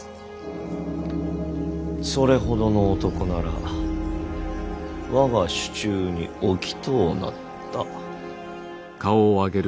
それほどの男なら我が手中に置きとうなった。